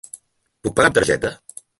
Puc pagar amb targeta?